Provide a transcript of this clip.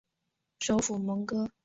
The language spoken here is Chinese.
首府蒙戈。